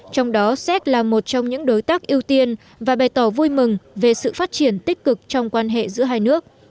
trong đó séc là một trong những đối tác ưu tiên và bày tỏ vui mừng về sự phát triển tích cực trong quan hệ giữa hai nước